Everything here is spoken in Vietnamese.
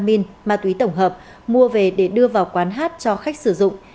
các đối tượng khai là ma túy tổng hợp mua về để đưa vào quán hát cho khách sử dụng